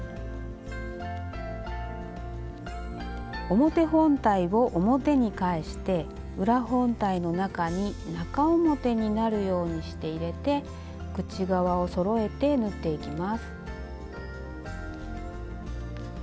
表本体を表に返して裏本体の中に中表になるようにして入れて口側をそろえて縫っていきます。